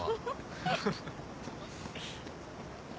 フフフ。